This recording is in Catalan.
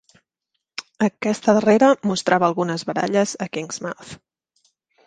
Aquesta darrera mostrava algunes baralles a Kingsmouth.